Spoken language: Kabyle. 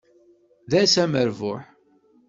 D ass amerbuḥ.